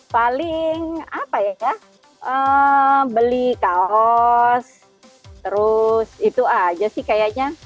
paling apa ya beli kaos terus itu aja sih kayaknya